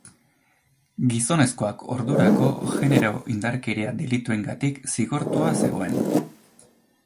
Gizonezkoak ordurako genero-indarkeria delituengatik zigortua zegoen.